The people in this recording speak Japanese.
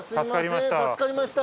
助かりました。